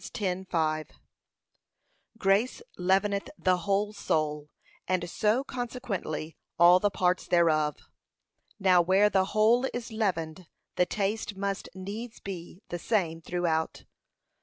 10:5) Grace leaveneth the whole soul, and so consequently all the parts thereof. Now where the whole is leavened, the taste must needs be the same throughout.